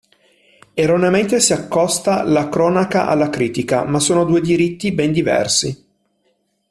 Erroneamente si accosta la cronaca alla critica, ma sono due diritti ben diversi.